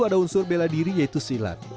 ada unsur bela diri yaitu silat